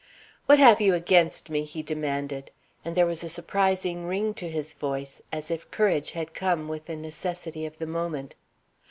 "What have you against me?" he demanded. And there was a surprising ring to his voice, as if courage had come with the necessity of the moment.